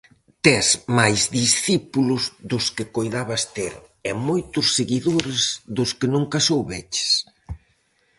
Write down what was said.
Tes máis discípulos dos que coidabas ter e moitos seguidores dos que nunca soubeches.